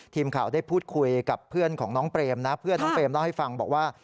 ทีมข่าวได้พูดคุยกับเพื่อนของน้องเปรมนะเพื่อนน้องเปรมเล่าให้ฟังบอกว่า